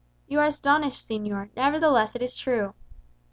You are astonished, señor; nevertheless it is true.